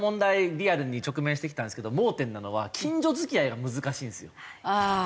リアルに直面してきたんですけど盲点なのは近所付き合いが難しいんですよ。